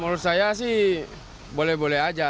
menurut saya sih boleh boleh aja